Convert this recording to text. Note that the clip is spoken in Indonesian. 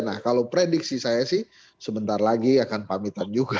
nah kalau prediksi saya sih sebentar lagi akan pamitan juga